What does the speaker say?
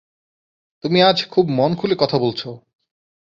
তুমি আজ খুব মন খুলে কথা বলছো?